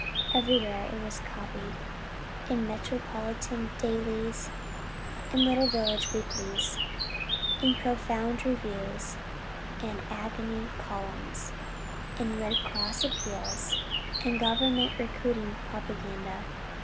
Everywhere it was copied in metropolitan dailies and little village weeklies in profound reviews and "agony columns," in Red Cross appeals and Government recruiting propaganda.